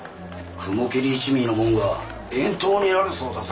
雲霧一味の者が遠島になるそうだぜ。